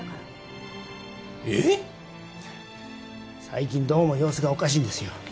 最近どうも様子がおかしいんですよ。